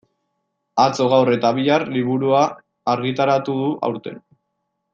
Atzo, gaur eta bihar liburua argitaratu du aurten.